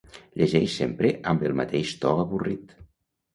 Llegeix sempre amb el mateix to avorrit